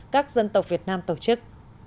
các dân tộc việt nam tổ chức